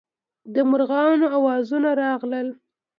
د مارغانو اوازونه راغلل.